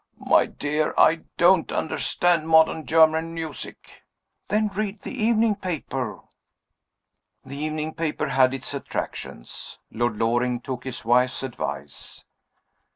"My dear, I don't understand modern German music." "Then read the evening paper." The evening paper had its attractions. Lord Loring took his wife's advice.